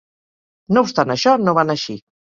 No obstant això no va anar així.